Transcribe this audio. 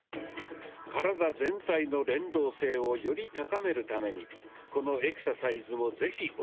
体全体の連動性をより高めるためにこのエクササイズも是非お試し下さい。